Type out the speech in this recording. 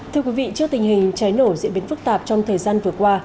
thưa quý vị trước tình hình cháy nổ diễn biến phức tạp trong thời gian vừa qua